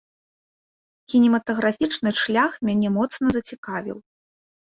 Кінематаграфічны шлях мяне моцна зацікавіў.